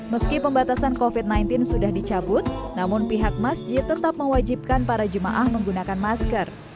meski pembatasan covid sembilan belas sudah dicabut namun pihak masjid tetap mewajibkan para jemaah menggunakan masker